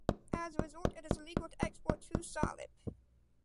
As a result, it is illegal to export true salep.